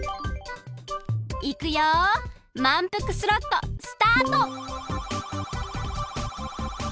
いくよまんぷくスロットスタート！